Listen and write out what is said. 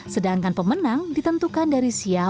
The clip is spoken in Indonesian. sedangkan pemenang ditentukan dari siapa